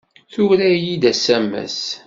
Tura-iyi-d asamas.